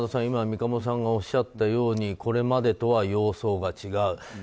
今、三鴨さんがおっしゃったようにこれまでとは様相が違う。